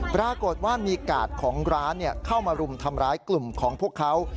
ปรากฏว่ามีกาดของร้านเข้ามารุมทำร้ายกลุ่มของพวกเขา